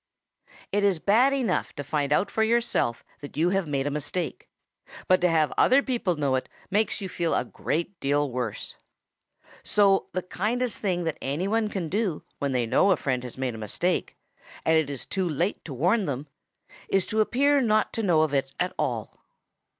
|IT is bad enough to find out for yourself that you have made a mistake, but to have other people know it makes you feel a great deal worse. So the kindest thing that any one can do when they know a friend has made a mistake and it is too late to warn them, is to appear not to know of it at all.